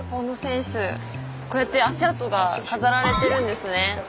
こうやって足跡が飾られてるんですね。